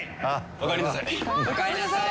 おかえりなさい。